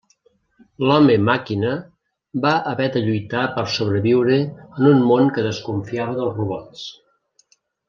L'Home Màquina va haver de lluitar per sobreviure en un món que desconfiava dels robots.